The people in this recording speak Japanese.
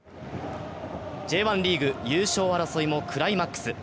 Ｊ１リーグ優勝争いもクライマックス。